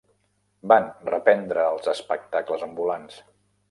Van reprendre els espectacles ambulants.